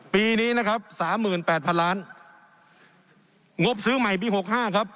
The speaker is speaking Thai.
ปีนี้นะครับสามหมื่นแปดพันล้านงบซื้อใหม่ปีหกห้าครับ